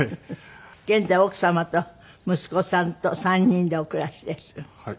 現在奥様と息子さんと３人でお暮らしです。